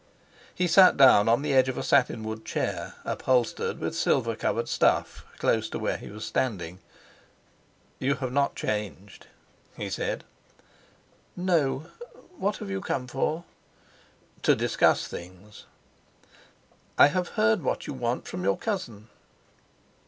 He sat down on the edge of a satinwood chair, upholstered with silver coloured stuff, close to where he was standing. "You have not changed," he said. "No? What have you come for?" "To discuss things." "I have heard what you want from your cousin."